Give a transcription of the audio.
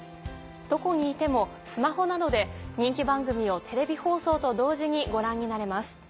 どこにいてもスマホなどで人気番組をテレビ放送と同時にご覧になれます。